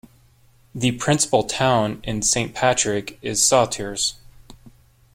The principal town in Saint Patrick is Sauteurs.